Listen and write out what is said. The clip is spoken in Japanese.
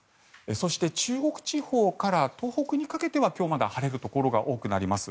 そして中国地方から東北にかけては今日まだ晴れるところが多くなります。